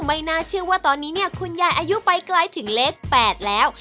ไม่น่าเชื่อว่าตอนนี้เนี่ยคุณยายอายุไปไกลถึงเลข๘แล้ว